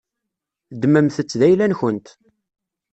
Ddmemt-tt d ayla-nkent.